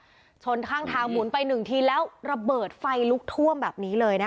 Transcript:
ชนข้างทางหมุนไปหนึ่งทีแล้วระเบิดไฟลุกท่วมแบบนี้เลยนะคะ